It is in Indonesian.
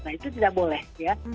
nah itu tidak boleh ya